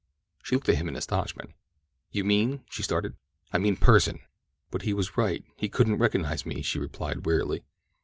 She looked at him in astonishment. "You mean—" she started. "I mean Pursen." "But he was right—he couldn't recognize me," she replied wearily.